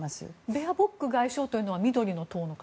ベアボック外相というのは緑の党の方？